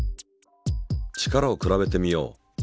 力を比べてみよう。